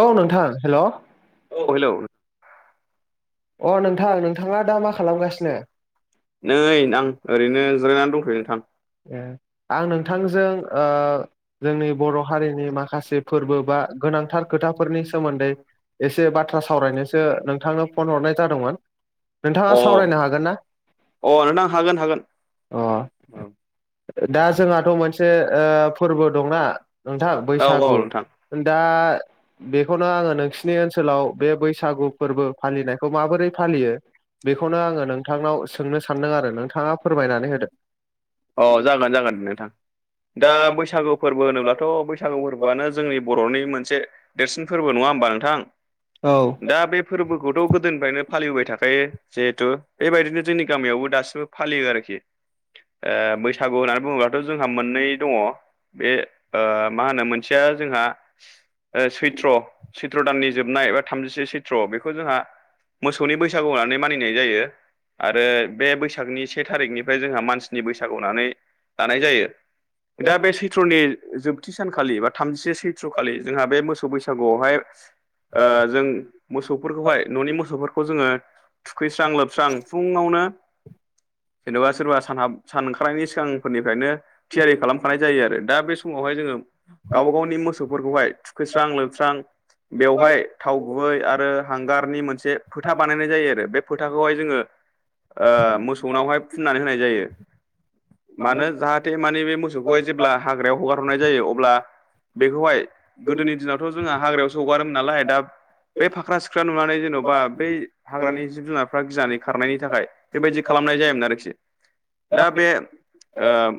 औ नोंथां हेल' औ [unintelligible] नोंथां दा मा खालामासिनो? नै आं ओरैनो जिरायनानै दंथ'यो नोंथां। ए आं नोंथांजों ओ जोंनि बर' हारिनि माखासे फोरबो बा गोनांथार खोथाफोरनि सोमोन्दै एसे बाथ्रा सावरायनोसो नोंथांनो फन हरनाय जादोंमोन। नोंथाङा अ सावरायनो हागोन ना अ नोंथां हागोन हागोन अ [unintelligible] अ दा जोंहाथ' मोनसे ओ फोरबो दंना नोंथां औ औ बैसागु नोंथां दा बेखौनो आङो नोंसिनि ओनसोलाव बे बैसागु फोरबो फालिनायखौ माबोरै फालियो बेखौनो आङो नोंथांनाव सोंनो सानदों आरो नोंथाङा फोरमायनानै होदो। अ जागोन जागोन नोंथां दा बैसा सागु फोरबो होनोब्लाथ' बैसागु फोरबोआनो जोंनि बर'नि मोनसे देरसिन फोरबो नङा होमबा नोंथां औ दा बे फोरबोखौथ' गोदोनिफ्रायनो फालिबोबाय थाखायो जिहेथु बेबायदिनो जोंनि गामियावबो दासिमबो फालियो आरोखि ओ बैसागु होननानै बुङोब्लाथ' जोंहा मोननै दङ। बे ओ मा होनो मोनसेया जोंहा ओ सैत्र सैत्र दाननि जोबनाय बा थामजिसे सैत्र बेखौ जोंहा मोसौनि बैसागु होननानै मानिनाय जायो। आरो बे बैसागनि से थारिखनिफ्राय जोंहा मानसिनि बैसागुनानै लानाय जायो। दा बे सै त्र'नि जोबथि सानखालि बा थामजिसे सैत्र' खालि जोंहा बे मोसौ बैसागुआवहाय ओ जों मोसौफोरखौहाय न'नि मोसौफोरखौ जोङो थुखैस्रां लोबस्रां फुङावनो जेन'बा सोरबा सान हाब सान ओंखारनायनि सिगांफोरनिफ्रायनो थियारि खालामखानाय जायो आरो। दा बे समावहाय जोङो गावबा गावनि मोसौफोरखौहाय थुखैस्रां लोबस्रां बेवहाय थाव गुबै आरो हांगारनि मोनसे फोथा बानायनाय जायो आरो बे फोथाखौहाय जोङो ओ मोसौनावहाय फुननानै होनाय जायो। मानो जाहाथे माने बे मोसौखौहाय जेब्ला हाग्रायाव हगार हरनाय जायो अब्ला बेखौहाय गोदोनि दिनावथ' जोंहा हाग्रायावसो हगारोमोन नालाय दा बे फाख्रा सिख्रा नुनानै जेन'बा बै हाग्रानि जिब जुनारफ्रा गिनानै खारनायनि थाखाय बेबायदि खालाम नायजायोमोन आरिखि। शदा बे ओ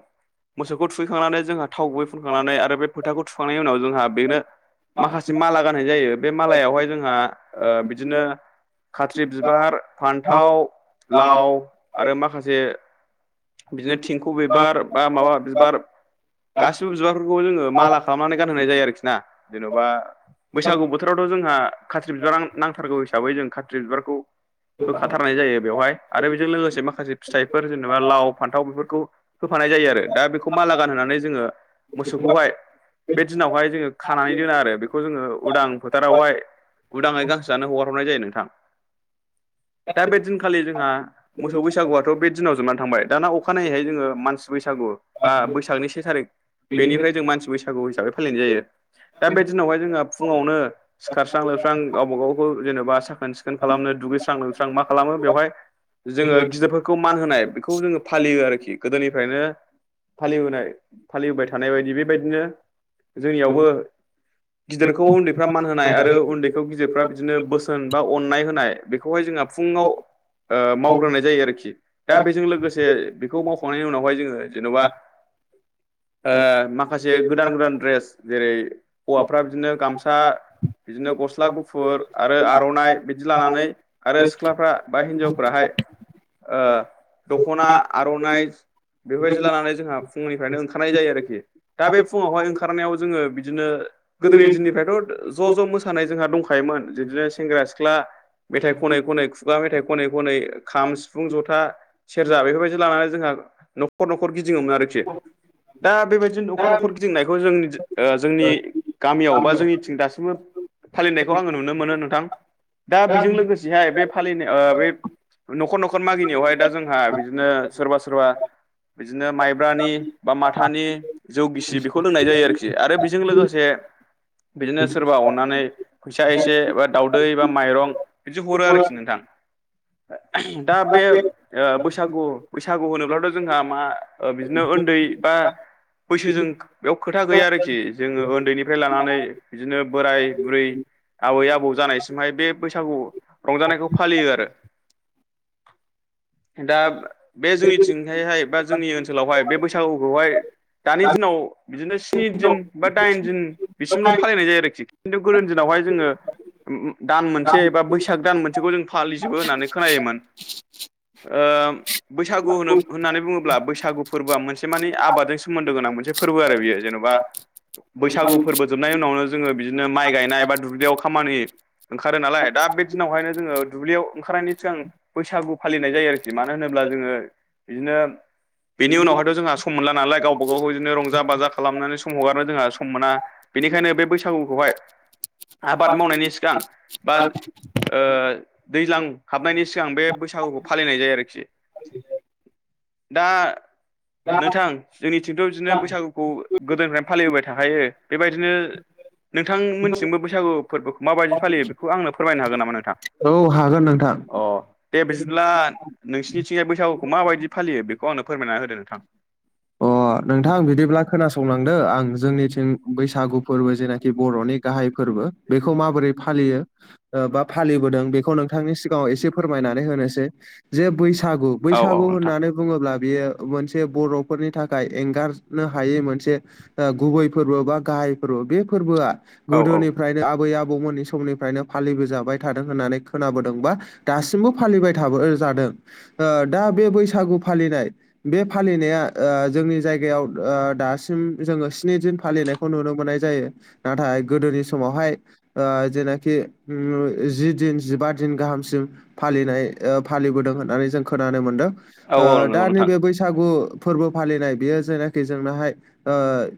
मोसौखौ थुखैखांनानै जोंहा थाव गुबै फुनखांनानै आरो बे फोथाखौ थुखांनायनि उनाव जोंहा बेनो माखासे माला गाननाय जायो बे मालायावहाय जोंहा ओ बिदिनो खाथ्रि बिबार, फान्थाव, लाव आरो माखासे बिदिनो थिंखु बिबार बा माबा बिबार गासिबो बिबारफोरखौ जोङो माला खालामनानै गानहोनाय जायो आरोखि ना जेन'बा बैसागु बोथोराव थ' जोंहा खाथ्रि बिबार नांथारगौ हिसाबै जों खाथ्रि बिबारखौ होखाथारनाय जायो बेवहाय आरो बेजों लोगोसे माखासे फिथाइफोर जेनेबा लाव, फान्थाव बेफोरखौ होफानाय जायो आरो दा बेखौ माला गाहोनानै जोङो मोसौखौहाय बे दिनावहाय जोङो खानानै दोनो आरो बेखौ जोङो उदां फोथारावहाय उदाङै गांसो जानो हगार हरनाय जायो नोंथां। दा बे दिनखालि जोंहा मोसौ बैसागुआथ' बे दिनाव जोबनानै थांबाय दाना अखानायैहाय जोङो मानसि बैसागु बा बैसागनि से थारिख बेनिफ्राय जों मानसि बै सागु हिसाबै फालिनाय जायो दा बे दिनावहाय जोंङो फुङावनो सिखारस्रां लोबस्रां गावबा गावखौ जेनेबा साखोन सिखोन खालामनो दुगैस्रां लोबस्रां मा खालामो बेवहाय जोङो गिदिरफोरखौ मान होनाय बेखौ जोङो फालियो आरोखि गोदोनिफ्रायनो फालिबोनाय फालिबोबाय थानाय बायदि बेबायदिनो जोंनियावबो गिदिरखौ उन्दै फ्रा मान होनाय आरो उन्दैखौ गिदिरफ्रा बिदिनो बोसोन बा अननाय होनाय बेखौहाय जोंहा फुङाव ओ मावग्रोनाय जायो आरोखि दा बेजों लोगोसे बेखौ मावखांनायनि उनावहाय जोङो जेनबा [inaudible] ओ माखासे गोदान गोदान द्रेस जेरै हौवाफ्रा बिदिनो गामसा बिदिनो गस्ला गुफुर आरो आर'नाइ बिदि लानानै आरो सिख्लाफ्रा बा हिनजावफ्राहाय ओ ओखारनाय जायो आरोखि दा बे फुङावहाय ओंखारनायाव जोङो बिदिनो गोदोनि दिननिफ्रायथ' ज' ज' मोसानाय जोंहा दंखायोमोन बिदिनो सेंग्रा सिख्ला मेथाइ खनै खनै खुगा मेथाइ खनै खनै खाम सिफुं जथा सेरजा बेफोरबायदि लानानै जोंहा न'खर न'खर गिदिङोमोन आरोखि दा बेबायदिनो न'खर न'खर गिदिंनायखौ जों ओ जोंनि गामियाव बा जोंनिथिं दासिमबो फालिनायखौ आङो नुनो मोनो नोंथां दा बेजों लोगोसेहाय बे फालिनाय ओ न'खर न'खर मागिनायावहाय दा जोंहा बिदिनो सोरबा सोरबा बिदिनो माइब्रानि बा माथानि जौगिसि बेखौ लोंनाय जायो आरोखि आरो बेजों लोगोसे बिदिनो सोरबा अननानै फैसा एसे बा दाउदै बा माइरं बिदि हरो आरोखि नोंथां दा बे बैसागु बैसागु होनोब्लाथ' जोंहा मा ओ बिदिनो उन्दै बा बैसोजों बेयाव खोथा गैया आरोखि जोङो उओन्दैनिफ्राय लानानै बिदिनो बोराय बुरै आबै आबौ जानायसिमहाय बे बैसागु रंजानायखौ फालियो आरो [inaudible] दा बे जोंनिथिंहायहाय बा जोंनि ओनसोलावहाय बे बैसागु दानि दिनाव बिदिनो स्नि दिन बा दाइन दिन बिसिमल' फालिनाय जायो आरोखि खिन्थु गोदोनि दिनावहाय जोङो दान मोनसे बा बैसो फाग दान मोनसेखौ जों फालिजोबो होननानै खोनायोमोन। ओ बैसागु होनो होननानै बुङोब्ला बैसागु फोरबोआ मोनसे मानि आबादजों सोमोन्दो गोनां मोनसे फोरबो आरो बेयो जेन'बा बैसागु फोरबो जोबनायनि उनावनो जोङो बिदिनो माइ गायनाय बा दुब्लियाव खामानि ओंखारो नालाय दा बे दिनावहायनो जोङो दुब्लियाव ओंखारनायनि सिगां बैसागु फालिनाय जायो आरोखि मानो होनो ब्ला जोङो बिदिनो बेनि उनावहायथ' जोंहा सम मोनला नालाय गावबा गाव बिदिनो रंजा बाजा खालामनानै सम हगारनो जोंहा सम मोना बेनिखायनो बे बैसागुखौहाय [unintelligible] आबाद मावनायनि सिगां बा ओ दैज्लां हाबनायनि सिगां बे बैसागुखौ फालिनाय जायो आरोखि दा नोंथां जोंनिथिंथ' बिदिनो बैसागुखौ गोदोनिफ्रायनो फालिबोबाय थाखायो बेबायदिनो नोंथांमोननिथिंबो बैसागु फोरबोखौ माबायदि फालियो बेखौ आंनो फोरमायनो हागोन नामा नोंथां औ हागोन नोंथां अ दे बिदिब्ला नोंसिनिथिंजाय बैसागुखौ माबायदि फालियो बेखौ आंनो फोरमायना होदो नोंथां अ अ नोंथां आं बिदिब्ला खोनासंलांदो आं जोंनिथिं बैसागु फोरबो जेनाखि बर'नि गाहाइ फोरबो बेखौ माबोरै फालियो बा फालिबोदों बेखौ नोंथांनि सिगाङाव एसे फोरमायनानै होनो होसै जे बैसागु औ औ बैसागु नोंथां होननानै बुङोब्ला बियो मोनसे बर' फोरनि थाखाय एंगारनो हायै मोनसे गुबै फोरबो बा गाहाइ फोरबो बे फोरबोआ औ औ गोदोनिफ्रायनो आबै आबौ आबौमोननि समनिफ्रायनो फालिबोजाबाय थादों होननानै खोनाबोदों बा दासिमबो फालिबाय थोबो जादों। दा बे बैसागु फालिनाय बे फालिनाया जोंनि जायगायाव दासिम जोङो स्नि दिन फालिनायखौ नुनो मोननाय जायो। नाथाय गोदोनि समावहाय ओ जेनाखि ओम जि दिन जिबा दिन गाहामसिम फालिनाय फालिबोदों होननानै जों खोनानो मोनदों औ औ दा नंगौ नोंथां। नैबे बैसागु फोरबो फालिनाय बेयो जायनाखि जोंनाहाय ओ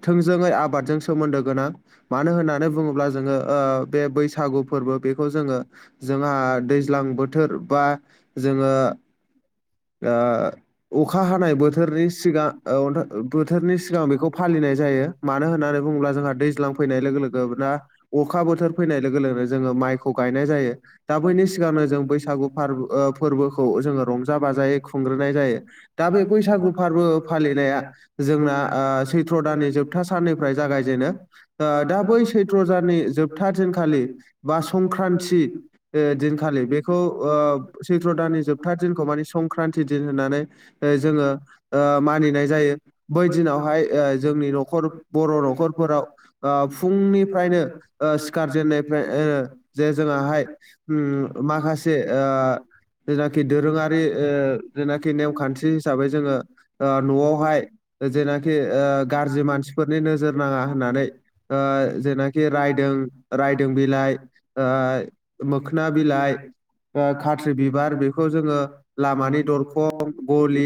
थोंजोङै आबादजों सोमोन्दो गोनां मानो होननानै बुङोब्ला जोङो बे बैसागु फोरबो बे जोङो जों दैज्लां बोथोर बा जोङो ओ अखा हानाय बोथोरनि सिगां बोथोरनि सिगां बेखौ फालिनाय जायो मानो होननानै बुङोब्ला जोंहा दैज्लां फैनाय लोगो लोगो ना अखा बोथोर फैनाय लोगो लोगोनो जोङो माइखौ गायनाय जायो दा बैनि सिगांनो जों बैसागु फोरबोखौ जोङो रंजा बाजायै खुंग्रोनाय जायो दा बे बैसागु फोरबो फालिनाया जोंना सैथ्र' दाननि जोबथा साननिफ्राय जागाय जेनो दा बै सैथ्रजनि जोबथा दिनखालि बा संक्रान्ति दिनखालि बेखौ सैथ्र दाननि जोबथा दिनखौ मानि संक्रान्ति दिन होननानै जोङो मानिनाय जायो बै दिनावहाय जोंनि न'खर बर' न'खर न'खरफोराव फुंनिफ्रायनो सिखारजेननायफ्राय जे जोंहाय माखासे ओ जेनाखि दोरोङारि ओ जेनाखि नेम खान्थिरि हिसाबै जोङो न'आवहाय जेनाखि गाज्रि मानसिफोरनि नोजोर नाङा होननानै ओ जेनाखि रायदों रायदों बिलाइ मोखोना बिलाइ खाथ्रि बिबार बेखौ जोङो लामानि दरखं गलि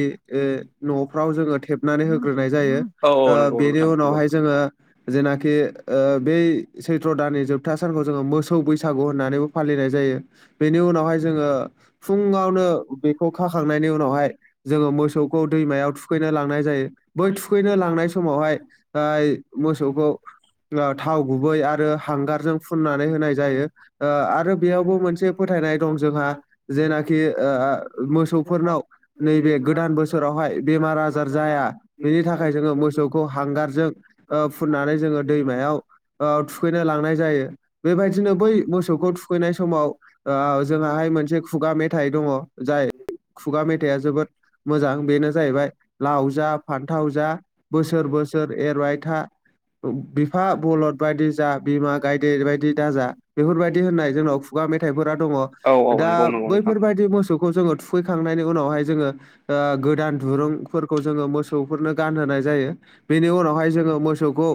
न'फ्राव जोङो थेबनानै होग्रोनाय जायो औ औ ओ नंगौ बेनि नोंथां नंगौ उनावहाय जोङो जेनाखि ओ बै सैथ्र दाननि जोबथा सानखौ जोङो मोसौ बैसागु होननानैबो फालिनाय जायो बेनि उनावहाय जोङो फुङावनो बेखौ खाखांनायनि उनावहाय जोङो मोसौखौ दैमायाव थुखैनो लांनाय जायो बै थुखैनो लांनाय समाव समावहाय मोसौखौ थाव गुबै आरो हांगारजों फुननानै होनाय जायो ओ आरो बेयावबो मोनसे फोथाय [unintelligible] ओ मोसौफोरनाव नैबे गोदान बोसोरावहाय बेमार आजार जाया बेनि थाखाय जोङो मोसौ सौखौ हांगारजों फुननानै जोङो दैमायाव ओ थुखैनो लांनाय जायो बेबायदिनो बै मोसौखौ थुखैनाय समाव जोंहा बेहाय मोनसे खुगा मेथाइ दङ जाय खुगा मेथाइआ जोबोद मोजां बेनो जाहैबाय लाव जा फान्थाव जा बोसोर बोसोर एरबाय था बिफा बलद बायदि जा बिमा गायदेर बायदि दाजा बेफोरबायदि होननाय जोंनाव खुगा मेथाइफोरा दङ औ औ दा नंगौ नंगौ नोंथां बैफोरबायदि मोसौखौ जों थुफैखांनायनि उनावहाय जोङो गोदान दुरुंफोरखौ जोङो मोसौफोरनो गानहोनाय जायो बेनि उनावहाय जोङो मोसौखौ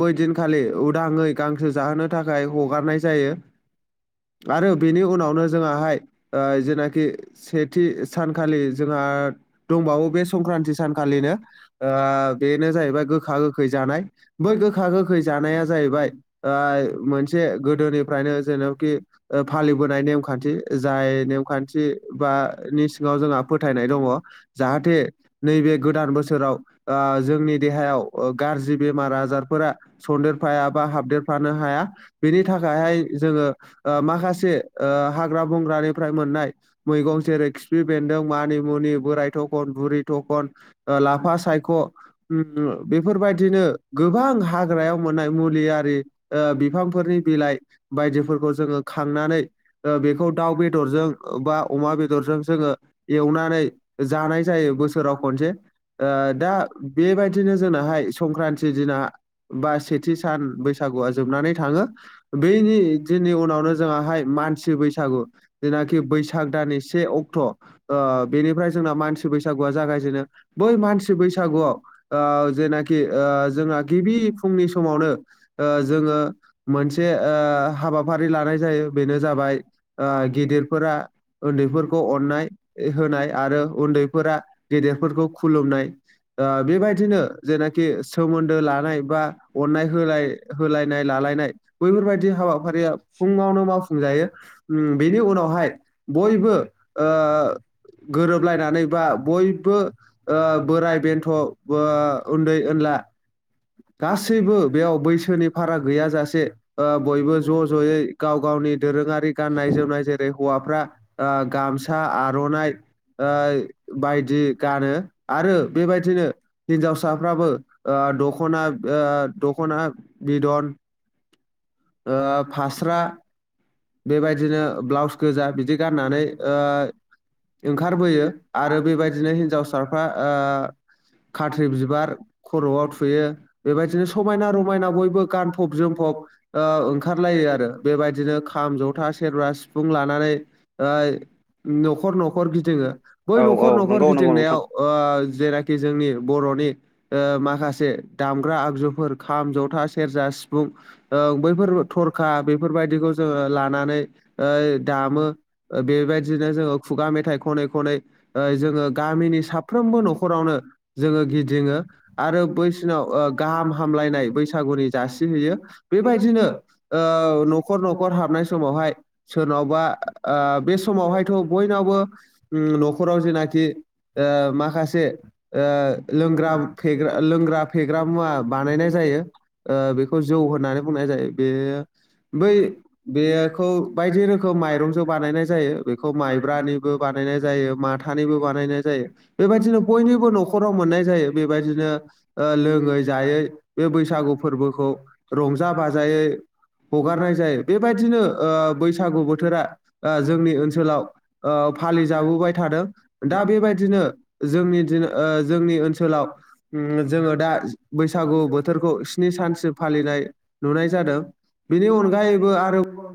बैदिनखालि उदाङै गांसो जाहोनो थाखाय हगारनाय जायो आरो बेनि उनावनो जोङाहाय ओ जेनाखि सेथि सानखालि जोंहा दंबावो बे संक्रान्ति सानखालिनो ओ बेनो जाहैबाय गोखा गोखै जानाय बै गोखा गोखै जानाया जाहैबाय मोनसे गोदोनिफ्रायनो जेनावखि फालिबोनाय नेमखान्थि जाय नेमखान्थि बि नि सिङाव जोंहा फोथायनाय दङ जाहाथे नैबे गोदान बोसोराव जोंनि देहायाव गाज्रि बेमारा जाया सोदेरफाया बा हाबदेरफानो हाया बेनि थाखायहाय जोङो माखा से हाग्रा बंग्रा निफ्राय मोननाय मैगं जेरै खिफि बेन्दों, मानि मुनि, बोराय थखन, बुरै थखन, लाफा सायख' बेफोरबायदिनो गोबां हाग्रायाव मोननाय मुलि आरि बिफांफोरनि बिलाइ बायदिफोरखौ जोङो खा नानै बेखौ दाउ बेदरजों बा अमा बेदरजों जोङो एवनानै जानाय जायो बोसोराव खनसे दा बेबायदिनो जोंनाहाय संक्रान्ति दिना बा सेथि सान बैसागुआ जोबनानै थाङो बेनि दिननि उनावनो जोंङाहाय मानसि बैसागु जेनाखि बैसाग दाननि से अक्ट' बेनिफ्राय जों बैसागुआ जागायजेनो बै मानसि बैसागुआव जेनाखि जोंहा गिबि फुंनि समावनो जोङो मोनसे हाबाफारि लानाय जायो बेनो जाबाय गेदेरफोरा उन्दैफोरखौ अननाय होनाय आरो फोरा गेदेरफोरखौ खुलुमनाय बेबायदिनो जेनाखि सोमोन्दो लानाय बा अननाय होलाय होलायनाय लालायनाय बैफोरबायदि हाबाफारिया फुङावनो मावफुं जा यो बेनि उनावहाय बयबो गोरोबलायना बा बयबो बोराय बेन्थ' उन्दै उनला गासैबो बेयाव बैसोनि फाराग गैयाजासे बयबो ज' ज'यै गाव गावनि दोरोङारि गाननाय जोमनाय जेरै हौवाफ्रा गामसा आर'नाइ ओ बायदि गानो आरो बेबायदिनो हिनजावसाफ्राबो दख' ना दख'ना बिदन आ फास्रा बेबायदिनो ब्लाउस गोजा बिदि गाननानै ओंखार बोयो आरो बेबायदिनो हिनजावसाफ्रा खाथ्रि बिबार खर'आव थुयो बेबायदिनो समायना रमायना बयबो गानफब जोमफब ओंखारलायो आरो बेबायदिनो खाम, जथा, सेरजा, सिफुं लानानै न'खर न'खर गि दिङो बै औ औ न'खर न'खर नंगौ नंगौ नोंथां। गिदिंनायाव [unintelligible] [unintelligible] जोंनि बर'नि माखासे दामग्रा आगजुफोर खाम, जथा, सेरजा, सिफुं ओं बैफोर थरखा बेफोरबायदिखौ जोङो लानानै दामो बेबायदिनो जोङो खुगा मेथाइ खनै खनै जोङो गामिनि साफ्रोमबो न'खरावनो जोङो गिदिङो आरो बैसिनाव गाहाम हामलायनाय बैसागुनि जासिहैयो बेबायदिनो न'खर न' खर हाबनाय समावहाय सोरनावबा बे समावहायथ' बयनावबो न'ख राव जेनाखि माखासे लोंग्रा लोंग्रा फेग्रा मुवा बानायनाय जा यो बेखौ जौ होननानै बुंनाय जायो बे बै बेखौ बायदि रोखोम माइरंजों बानायनाय जायो बेखौ माइब्रानिबो बानायनाय जा यो माथानिबो बानायनाय जायो बेबायदिनो बयनिबो न'खराव मोननाय जायो बेबायदिनो लोङै जायै बे बैसागु फोरबोखौ रंजा बाजायै हगारनाय जायो बे बायदिनो बैसागु बोथोरा जोंनि ओनसोलाव फालिजाबोबाय था दों दा बेबायदिनो जोंनि जोंनि ओनसोलाव जोङो दा बैसागु बोथोरखौ स्नि सानसिम फालिनाय नुनाय जादों बेनि अनगायैबो आरो [unintelligible]